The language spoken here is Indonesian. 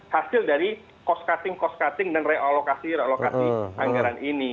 hasil dari cost cutting cost cutting dan realokasi realokasi anggaran ini